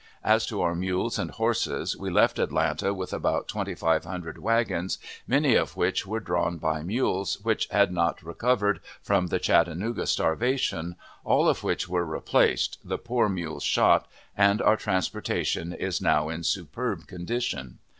As to our mules and horses, we left Atlanta with about twenty five hundred wagons, many of which were drawn by mules which had not recovered from the Chattanooga starvation, all of which were replaced, the poor mules shot, and our transportation is now in superb condition.